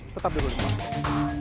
tetap di ruling maksud